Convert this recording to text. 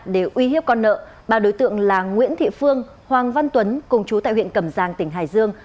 để uy hiếp con nợ ba đối tượng là nguyễn thị phương hoàng văn tuấn cùng chú tại huyện cẩm giang tỉnh hải dương